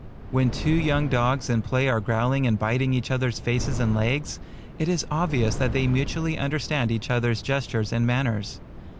When two young dogs in play are growling and biting each other's faces and legs, it is obvious that they mutually understand each other's gestures and manners.